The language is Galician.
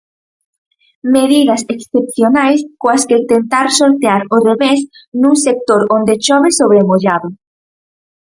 Medidas excepcionais coas que tentar sortear o revés nun sector onde chove sobre mollado...